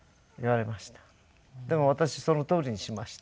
でも私そのとおりにしました。